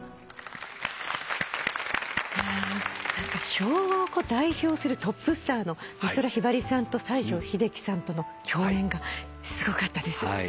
昭和を代表するトップスターの美空ひばりさんと西城秀樹さんとの共演がすごかったです。